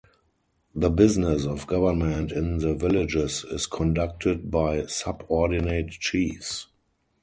The business of government in the villages is conducted by subordinate chiefs.